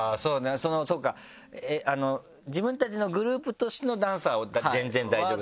そうか自分たちのグループとしてのダンスは全然大丈夫だけど。